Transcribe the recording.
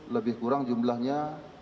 lebih kurang jumlahnya